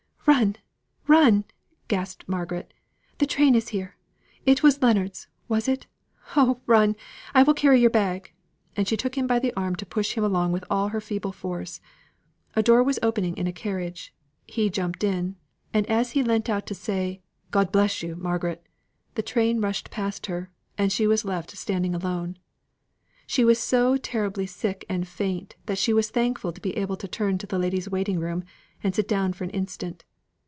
"Run, run!" gasped Margaret. "The train is here. It was Leonards, was it? oh, run! I will carry your bag." And she took him by the arm to push him along with all her feeble force. A door was opened in a carriage he jumped in; and as he leant out to say, "God bless you, Margaret!" the train rushed past her; and she was left standing alone. She was so terribly sick and faint that she was thankful to be able to turn into the ladies' waiting room, and sit down for an instant.